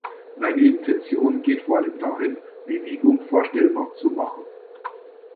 Meine Intention geht vor allem dahin, Bewegung vorstellbar zu machen.